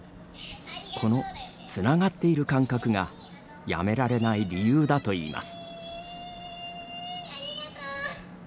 このつながっている感覚がやめられない理由だといいます。